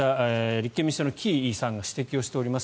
立憲民主党の城井さんが指摘しています。